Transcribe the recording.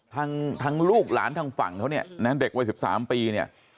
ทางลูกหลานทางฝั่งเขาเนี่ยนะเด็กวัย๑๓ปีเนี่ย